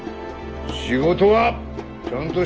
仕事はちゃんとしろよ！